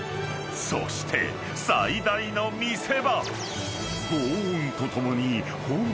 ［そして最大の見せ場！］